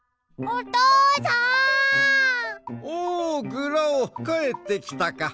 おおグラオかえってきたか。